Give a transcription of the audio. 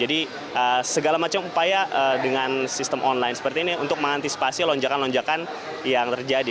jadi segala macam upaya dengan sistem online seperti ini untuk mengantisipasi lonjakan lonjakan yang terjadi